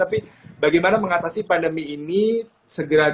tapi bagaimana mengatasi pandemi ini segera